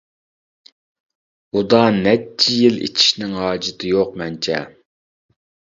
ئۇدا نەچچە يىل ئىچىشنىڭ ھاجىتى يوق مەنچە.